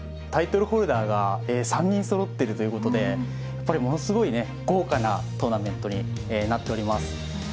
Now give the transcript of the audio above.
タイトルホルダーが３人そろってるということでやっぱりものすごいね豪華なトーナメントになっております。